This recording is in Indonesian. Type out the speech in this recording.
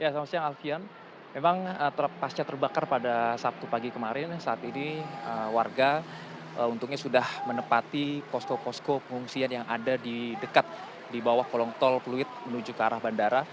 selamat siang alfian memang pasca terbakar pada sabtu pagi kemarin saat ini warga untungnya sudah menepati posko posko pengungsian yang ada di dekat di bawah kolong tol pluit menuju ke arah bandara